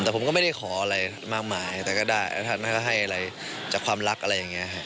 แต่ผมก็ไม่ได้ขออะไรมากมายแต่ก็ได้แล้วท่านก็ให้อะไรจากความรักอะไรอย่างนี้ครับ